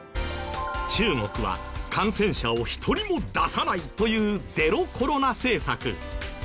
中国は感染者を１人も出さない！というゼロコロナ政策。